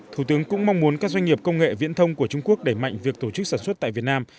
thủ tướng cũng mong muốn các doanh nghiệp công nghệ viễn thông của trung quốc đẩy mạnh việc tổ chức sản xuất tại việt nam